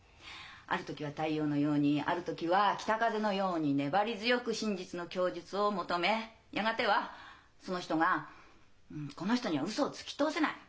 ある時は太陽のようにある時は北風のように粘り強く真実の供述を求めやがてはその人が「この人にはウソをつき通せない。